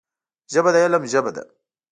ژبه د علم ژبه ده